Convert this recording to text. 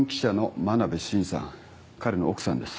彼の奥さんです。